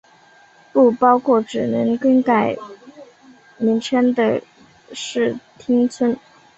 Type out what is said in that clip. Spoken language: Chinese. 不包括只是更改名称的市町村。